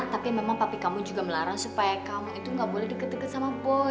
tapi memang papi kamu juga melarang supaya kamu itu gak boleh deket deket sama bos